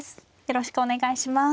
よろしくお願いします。